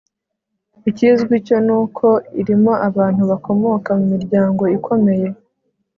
ikizwi cyo ni uko irimo abantu bakomoka mu miryango ikomeye